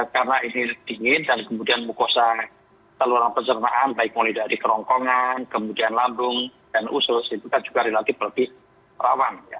karena ini dingin dan kemudian mukosa saluran pencernaan baik mulai dari kerongkongan kemudian lambung dan usus itu juga relatif berbahaya